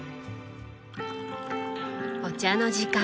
お茶の時間。